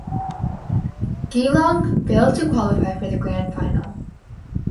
Geelong failed to qualify for the Grand Final.